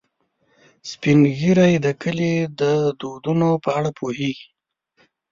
سپین ږیری د کلي د دودونو په اړه پوهیږي